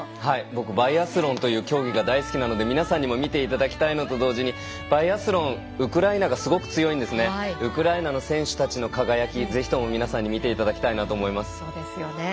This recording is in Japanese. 僕、バイアスロンという競技が大好きなので皆さんにも見ていただきたいのと同時にバイアスロンウクライナがすごく強いですねウクライナの選手たちの輝き皆さんに見てもらいたいです。